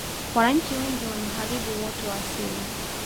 wananchi wengi wanaharibu uoto wa asili